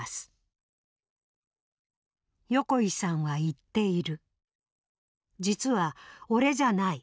「横井さんは言っている」。